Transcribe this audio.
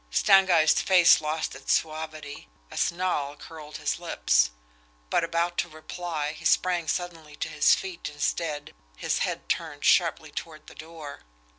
Stangeist's face lost its suavity, a snarl curled his lips; but, about to reply, he sprang suddenly to his feet instead, his head turned sharply toward the door.